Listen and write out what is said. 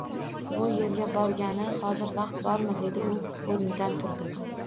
U yerga borgani hozir vaqt bormi! – dedi u va oʻrnidan turdi.